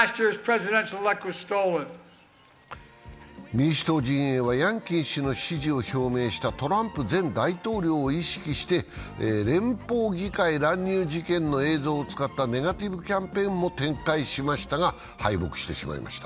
民主党陣営はヤンキン氏の支持を表明したトランプ前大統領を意識して連邦議会乱入事件の映像を使ったネガティブキャンペーンも展開しましたが、敗北してしまいました。